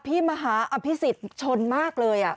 อภิมฮาอภิษฎชนมากเลย